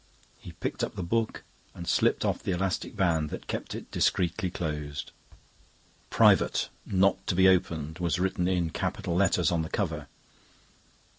He picked up the book and slipped off the elastic band that kept it discreetly closed. "Private. Not to be opened," was written in capital letters on the cover.